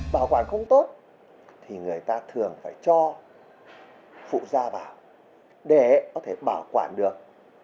bảo quản không tốt thì người ta thường phải cho phụ ra vào để có thể bảo quản được